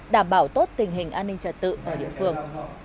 đảm bảo tốt tình hình an ninh trật tự ở địa phương